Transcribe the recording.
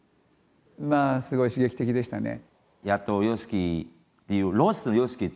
まあすごい刺激的でしたね。